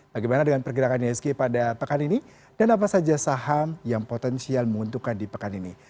bagaimana dengan pergerakan isg pada pekan ini dan apa saja saham yang potensial menguntungkan di pekan ini